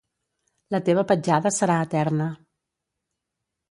La teva petjada serà eterna.